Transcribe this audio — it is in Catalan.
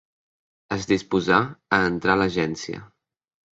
Es disposà a entrar a l'agència.